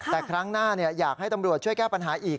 แต่ครั้งหน้าอยากให้ตำรวจช่วยแก้ปัญหาอีก